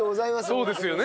そうですよね。